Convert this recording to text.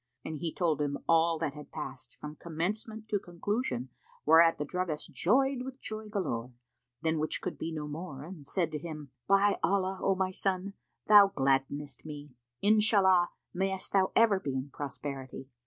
and he told him all that had passed, from commencement to conclusion, whereat the druggist joyed with joy galore, than which could be no more and said to him, "By Allah, O my son, thou gladdenest me! Inshallah, mayst thou ever be in prosperity!